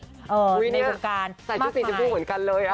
ใส่ชุดสีเจ้าพูดเหมือนกันเลย